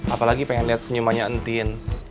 apalagi pengen liat senyumanya entin